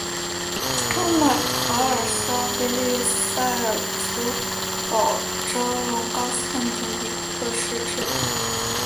托马塔尔是奥地利萨尔茨堡州隆高县的一个市镇。